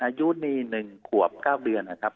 อายุนี่๑ขวบ๙เดือนนะครับ